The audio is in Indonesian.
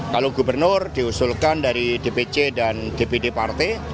kalau gubernur diusulkan dari dpc dan dpd partai